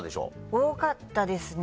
多かったですね。